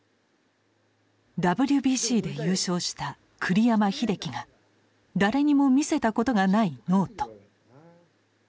ＷＢＣで優勝した栗山英樹が誰にも見せたことがないノート。